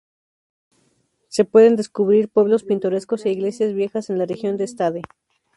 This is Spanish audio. Se pueden descubrir pueblos pintorescos e iglesias viejas en la región de Stade.